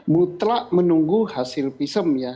mutlak menunggu hasil visum ya